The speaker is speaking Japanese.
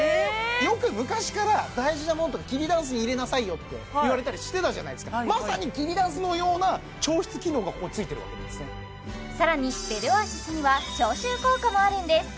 よく昔から大事なもんとかきりだんすに入れなさいよって言われたりしてたじゃないですかまさにきりだんすのような調湿機能がここについてるわけですね更にベルオアシスには消臭効果もあるんです